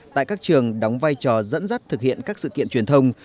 tại các trường đóng vai trò dẫn dắt thực hiện các sự kiện truyền thông